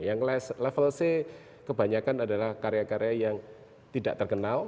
yang level c kebanyakan adalah karya karya yang tidak terkenal